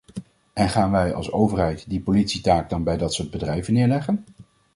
En gaan wij, als overheid, die politietaak dan bij dat soort bedrijven neerleggen?